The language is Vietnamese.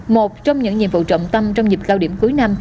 một trong những nhiệm vụ trọng tâm trong dịp cao điểm cuối năm